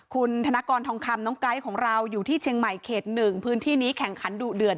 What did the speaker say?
คุณธนกรทองคำน้องไก๊ของเราอยู่ที่เชียงใหม่เขต๑พื้นที่นี้แข่งขันดุเดือด